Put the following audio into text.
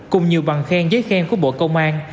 cùng nhiều bằng khen giấy khen của bộ công an